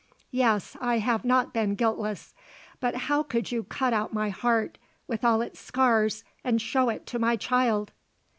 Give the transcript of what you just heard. Yes, I have not been guiltless. But how could you cut out my heart with all its scars and show it to my child?"